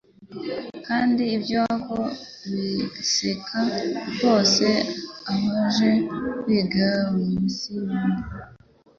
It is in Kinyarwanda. Kandi ibyoko biseka hose Abaje kwiga mu misiyoni